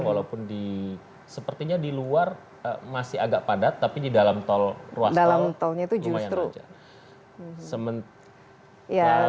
walaupun di sepertinya di luar masih agak padat tapi di dalam tol ruas tolnya lumayan panjang